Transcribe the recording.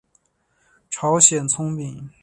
朝鲜葱饼。